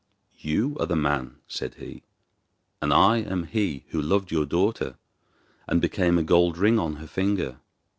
'You are the man,' said he; 'and I am he who loved your daughter, and became a gold ring on her finger.